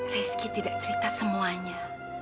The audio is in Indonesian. rizky tidak cerita semuanya